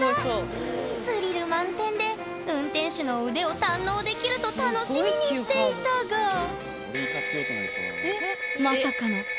スリル満点で運転手の腕を堪能できると楽しみにしていたがまさかのえ？